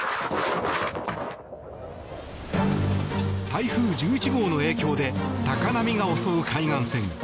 台風１１号の影響で高波が襲う海岸線。